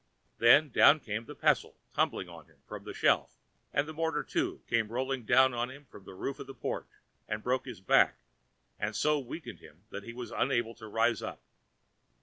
Then down came the pestle, tumbling on him from a shelf, and the mortar, too, came rolling down on him from the roof of the porch and broke his back, and so weakened him that he was unable to rise up.